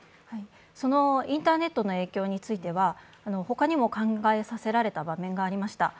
そのインターネットの影響については他にも考えさせられた場面がありました。